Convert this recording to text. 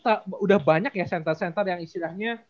itu kan udah banyak ya center center yang istilahnya